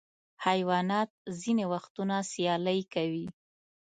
حیوانات ځینې وختونه سیالۍ کوي.